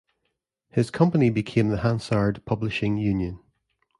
His company became the Hansard Publishing Union.